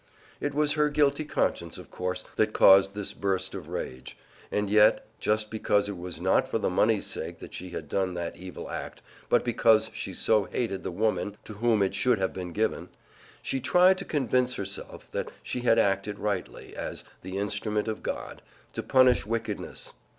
It was her guilty conscience, of course, that caused this burst of rage. And yet, just because it was not for the money's sake that she had done that evil act, but because she so hated the woman to whom it should have been given, she tried to convince herself that she had acted rightly, as the instrument of God, to punish wickedness.